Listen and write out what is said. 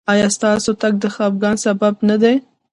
ایا ستاسو تګ د خفګان سبب نه دی؟